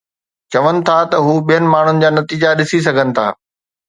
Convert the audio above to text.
چون ٿا ته هو ٻين ماڻهن جا نتيجا ڏسي سگهن ٿا